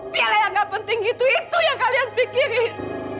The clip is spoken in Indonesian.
piala yang gak penting itu itu yang kalian pikirin